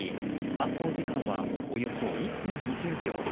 犯行時間はおよそ１分２０秒。